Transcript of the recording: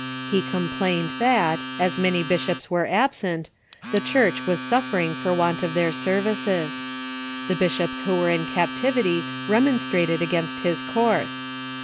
He complained that, as many bishops were absent, the Church was suffering for want of their services. The bishops who were in captivity remonstrated against his course.